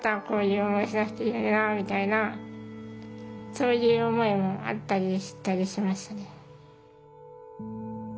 そういう思いもあったりしたりしましたね。